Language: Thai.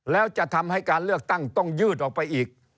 แล้วจะทำให้การเลือกตั้งต้องยืดออกไปอีก